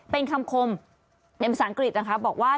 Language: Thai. เป็นคำคมในภาษาอังกฤษนะคะบอกว่า